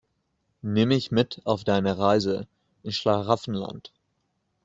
Nimm mich mit auf deine Reise ins Schlaraffenland.